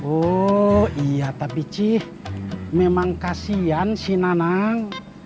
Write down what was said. oh iya tapi sih memang kasihan si nanang